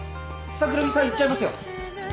桜木さん行っちゃいますよ。